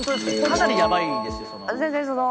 かなりやばいんですよその。